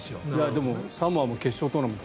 でもサモアも決勝トーナメント